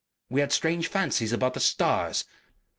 We had strange fancies about the stars.